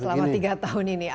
selama tiga tahun ini